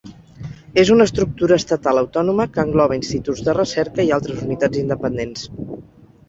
És una estructura estatal autònoma que engloba instituts de recerca i altres unitats independents.